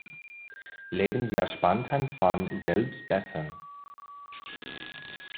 Lebensjahr spontan von selbst bessern.